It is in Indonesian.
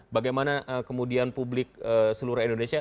bagaimana kemudian publik menilai